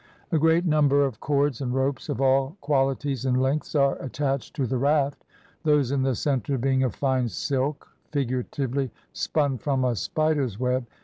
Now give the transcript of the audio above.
A great number of cords and ropes of all qualities and lengths are attached to the raft, those in the center being of fine silk (figura tively, ''spun from a spider's web").